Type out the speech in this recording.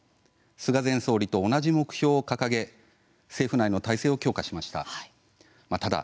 菅前総理と同じ目標を掲げ政府内の体制を強化しました。